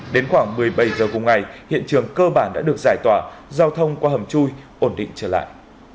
đến khoảng một mươi bảy h cùng ngày hiện trường cơ bản đã được giải tỏa giao thông qua hầm chui ổn định trở lại